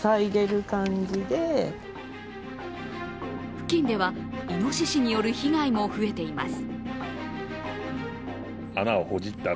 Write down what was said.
付近ではイノシシによる被害も増えています。